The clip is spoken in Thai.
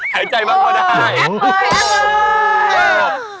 หายใจมากกว่าได้โอ้โฮแอบเลยแอบเลยโอ้โฮ